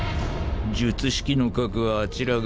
術式の格はあちらが上。